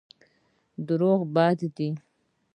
دروغ بد دی.